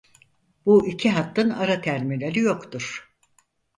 Bu iki hattın ara terminali yoktur.